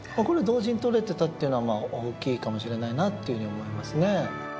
これ同時に摂れてたっていうのは大きいかもしれないなっていうふうに思いますね。